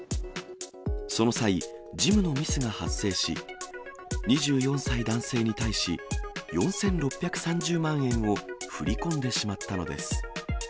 その際、事務のミスが発生し、２４歳男性に対し、４６３０万円を振り込んでしまったのです。